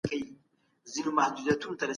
د بشري ژوند ارزښت په عدالت کي دی.